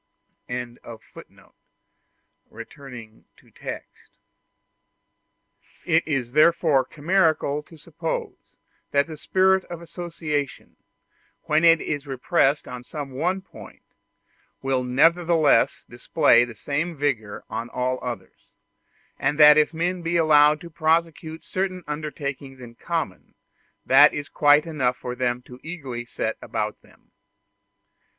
] It is therefore chimerical to suppose that the spirit of association, when it is repressed on some one point, will nevertheless display the same vigor on all others; and that if men be allowed to prosecute certain undertakings in common, that is quite enough for them eagerly to set about them.